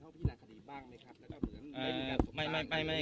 เข้าไปที่ราชดีบ้างไหมครับแล้วก็เหมือนเอ่อไม่ไม่ไม่